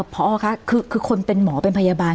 พอคะคือคนเป็นหมอเป็นพยาบาล